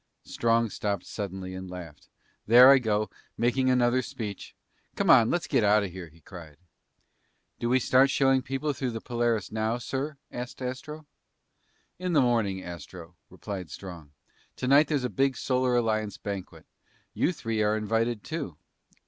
Strong stopped suddenly and laughed. "There I go, making another speech! Come on. Let's get out of here," he cried. "Do we start showing people through the Polaris now, sir?" asked Astro. "In the morning, Astro," replied Strong. "Tonight there's a big Solar Alliance banquet. You three are invited, too."